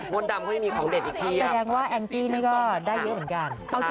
มดดำก็ยังมีของเด็ดอีกทีอะบุญแองกี้ก็ได้เยอะเหมือนกันค่ะ